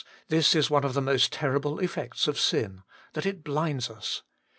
this is one of the most terrible effects of sin, that it blinds us.